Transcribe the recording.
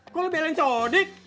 kok lu belain sodiq